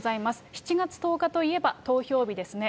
７月１０日といえば投票日ですね。